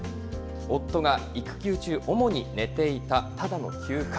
夫が育休中、主に寝ていた、ただの休暇。